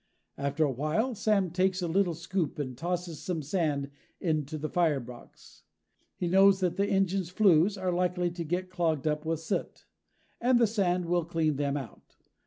After a while, Sam takes a little scoop and tosses some sand into the firebox. He knows that the engine's flues are likely to get clogged up with soot, and the sand will clean them out.